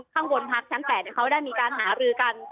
ข้างบนพักชั้น๘เขาได้มีการหารือกัน